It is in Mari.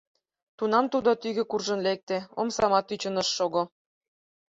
Тунам тудо тӱгӧ куржын лекте, омсамат тӱчын ыш шого.